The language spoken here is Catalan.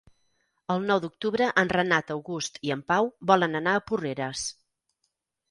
El nou d'octubre en Renat August i en Pau volen anar a Porreres.